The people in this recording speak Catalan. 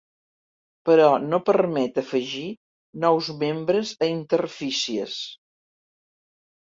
Però no permet afegir nous membres a interfícies.